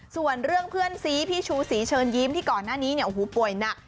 ส่วนเรื่องเพื่อนซีพี่ชูศรีเชิญยิ้มที่ก่อนหน้านี้ป่วยหนัก